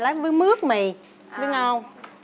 thì là bước mướp mì bước ngon